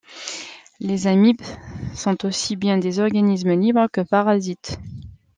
Les amibes sont aussi bien des organismes libres que parasites.